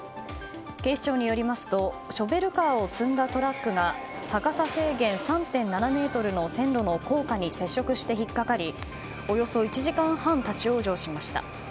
警視庁によりますとショベルカーを積んだトラックが高さ制限３．７ｍの線路の高架に接触して引っかかりおよそ１時間半立ち往生しました。